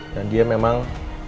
dan dia memang